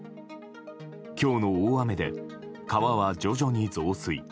今日の大雨で川は徐々に増水。